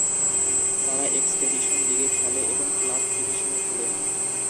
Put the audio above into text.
তারা এক্সপেডিশন লীগে খেলে এবং ক্লার্ক ডিভিশনে খেলে।